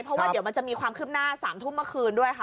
เพราะว่าเดี๋ยวมันจะมีความคืบหน้า๓ทุ่มเมื่อคืนด้วยค่ะ